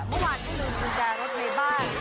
เมื่อวานที่ลืมกุญแจรถในบ้าน